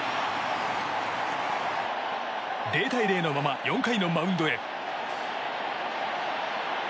０対０のまま４回のマウンドへ。